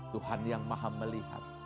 tuhan yang maha melihat